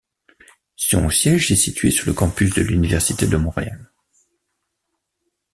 Son siège est situé sur le campus de l'Université de Montréal.